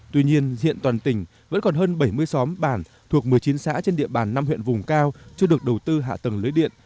tuy nhiên hiện toàn tỉnh vẫn còn hơn bảy mươi xóm bản thuộc một mươi chín xã trên địa bàn năm huyện vùng cao chưa được đầu tư hạ tầng lưới điện